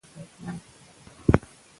اوس ایمیلی فکر کوي دا فوقالعاده کار دی.